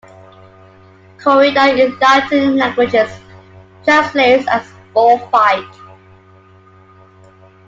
Corrida in Latin languages translates as bullfight.